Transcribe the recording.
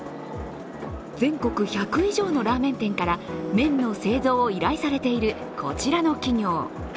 全国１００以上のラーメン店から麺の製造を依頼されているこちらの企業。